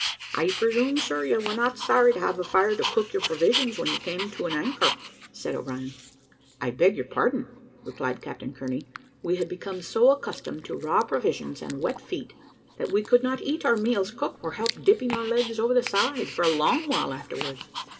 "I presume, sir, you were not sorry to have a fire to cook your provisions when you came to an anchor?" said O'Brien. "I beg your pardon," replied Captain Kearney; "we had become so accustomed to raw provisions and wet feet, that we could not eat our meals cooked, or help dipping our legs over the side, for a long while afterwards.